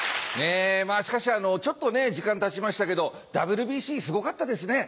まぁしかしちょっと時間たちましたけどＷＢＣすごかったですね。